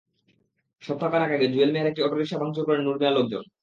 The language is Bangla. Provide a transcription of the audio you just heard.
সপ্তাহ খানেক আগে জুয়েল মিয়ার একটি অটোরিকশা ভাঙচুর করেন নূর মিয়ার লোকজন।